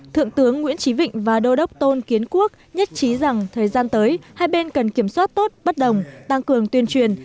thượng tướng nguyễn trí vịnh và đô đốc tôn kiến quốc nhất trí rằng thời gian tới hai bên cần kiểm soát tốt bất đồng tăng cường tuyên truyền